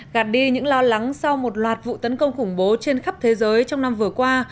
gạt đi những lo lắng sau một loạt vụ tấn công khủng bố trên khắp thế giới trong năm vừa qua